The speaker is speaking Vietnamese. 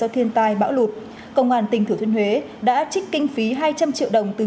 ba thanh tra chính phủ